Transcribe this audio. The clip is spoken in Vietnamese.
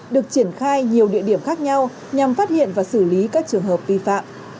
được triển khai nhiều địa điểm khác nhau nhằm phát hiện và xử lý các trường hợp vi phạm